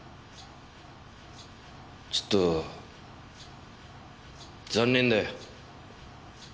ちょっと残念だよ。